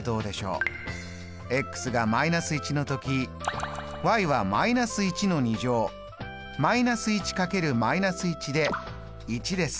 が−１の時は−１の２乗×で１です。